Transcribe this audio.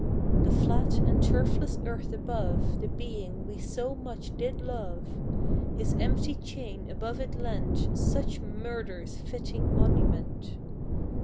The flat and turfless earth above The being we so much did love; His empty chain above it leant, Such murder's fitting monument!